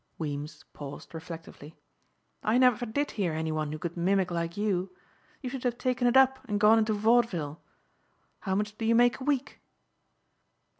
Weems paused reflectively, "I never did hear any one who could mimic like you. You should have taken it up and gone into vaudeville. How much do you make a week?"